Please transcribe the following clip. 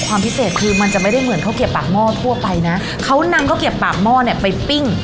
ความพิเศษคือมันจะไม่ได้เหมือนข้าวเกียบปากหม้อทั่วไปนะเขานำข้าวเกียบปากหม้อเนี่ยไปปิ้ง